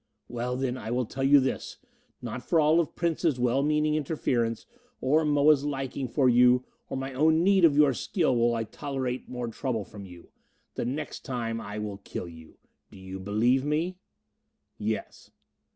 "Well then, I will tell you this: not for all of Prince's well meaning interference, or Moa's liking for you, or my own need of your skill, will I tolerate more trouble from you. The next time I will kill you. Do you believe me?" "Yes."